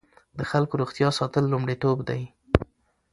د خلکو روغتیا ساتل لومړیتوب دی.